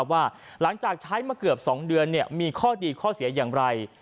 ว่าหลังจากใช้มาเกือบ๒เดือนมีข้อดีข้อเสียอย่างไร